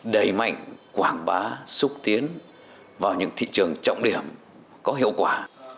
đẩy mạnh quảng bá xúc tiến vào những thị trường trọng điểm có hiệu quả